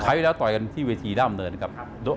แล้วต่อยกันที่เวทีด้ามเนินครับ